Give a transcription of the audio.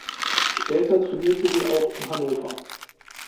Später trainierte sie auch in Hannover.